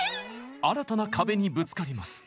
新たな壁にぶつかります。